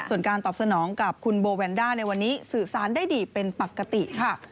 ส่วนการตอบสนองกับคุณโบแวนด้าในวันนี้สื่อสารได้ดีเป็นปกติค่ะ